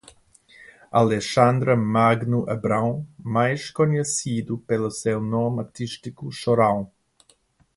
Alexandre Magno Abrão, mais conhecido pelo seu nome artístico Chorão